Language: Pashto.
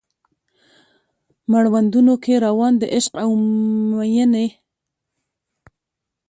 مړوندونو کې روان د عشق او میینې